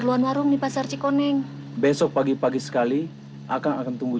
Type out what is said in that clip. di tempat lain seperti itu